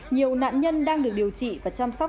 nhiều nạn nhân đang được điều trị và chăm sóc